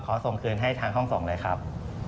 ส่งคืนให้ทางห้องส่งเลยครับ